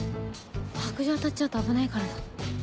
白杖当たっちゃうと危ないからさ。